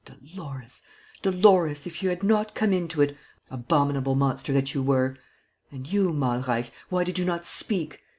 Ah, Dolores, Dolores, if you had not come into it, abominable monster that you were! ...... And you, Malreich, why did you not speak?